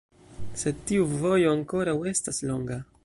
Sed tiu vojo ankoraŭ estas longa.